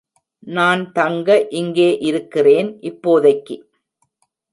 நான் தங்க இங்கே இருக்கிறேன் ... இப்போதைக்கு.